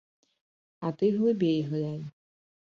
А ты глыбей глянь.